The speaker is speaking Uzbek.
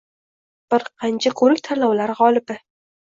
Bir qancha ko’rik tanlovlar g’olibi.